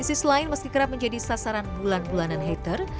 isis lain meski kerap menjadi sasaran bulan bulanan hater